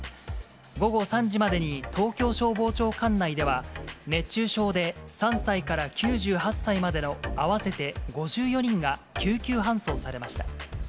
午後３時までに東京消防庁管内では、熱中症で、３歳から９８歳までの合わせて５４人が、救急搬送されました。